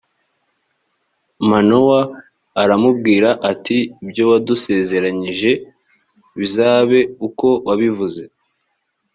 manowa aramubwira ati ibyo wadusezeranyije bizabe uko wabivuze